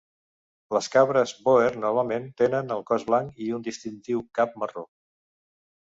Les cabres Boer normalment tenen el cos blanc i un distintiu cap marró.